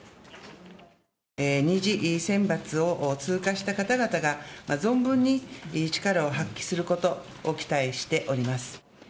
２次選抜を通過した方々が、存分に力を発揮することを期待しております。